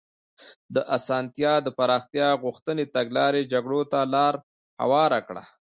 د اسانتي د پراختیا غوښتنې تګلارې جګړو ته لار هواره کړه.